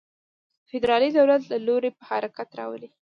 فدرالي دولت له لوري په حرکت راولي.